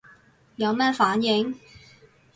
有咩反應